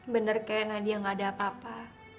benar kek nadia enggak ada apa apa